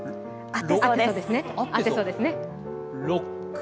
合ってそうですね。